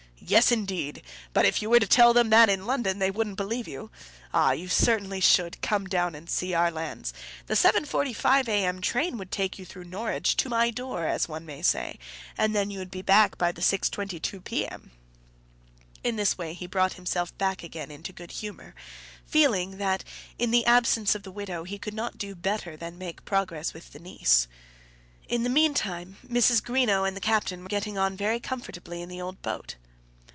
Yes indeed; but if you were to tell them that in London they wouldn't believe you. Ah! you should certainly come down and see our lands. The 7.45 A.M. train would take you through Norwich to my door, as one may say, and you would be back by the 6.22 P.M." In this way he brought himself back again into good humour, feeling, that in the absence of the widow, he could not do better than make progress with the niece. In the mean time Mrs. Greenow and the captain were getting on very comfortably in the other boat.